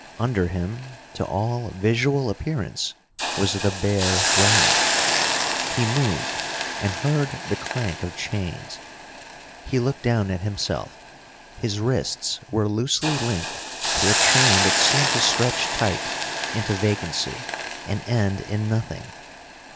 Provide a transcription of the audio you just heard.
Under him, to all visual appearance, was the bare ground. He moved, and heard the clank of chains. He looked down at himself. His wrists were loosely linked to a chain that seemed to stretch tight into vacancy and end in nothing.